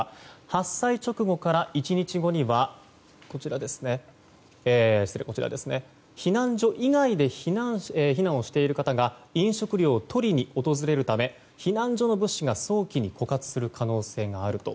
発災直後から１日後には避難所以外で避難をしている方が飲食料を取りに訪れるため避難所の物資が早期に枯渇する可能性があると。